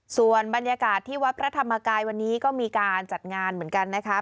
ส่วนบรรยากาศที่วัดพระธรรมกายวันนี้ก็มีการจัดงานเหมือนกันนะคะ